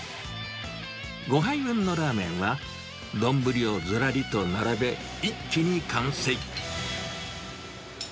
５杯分のラーメンは丼をずらりと並べ、一気に完成。